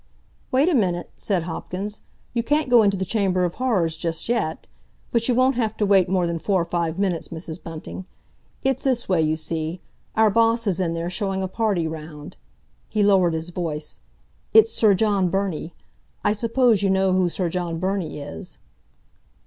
"Wait a minute," said Hopkins; "you can't go into the Chamber of Horrors just yet. But you won't have to wait more than four or five minutes, Mrs. Bunting. It's this way, you see; our boss is in there, showing a party round." He lowered his voice. "It's Sir John Burney—I suppose you know who Sir John Burney is?"